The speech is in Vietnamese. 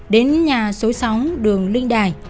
đến nhà số sáu đường linh đài